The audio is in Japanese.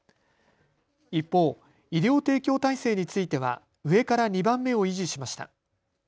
一方、医療提供体制については上から２番目を維持しました。